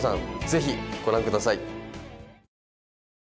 ぜひご覧ください。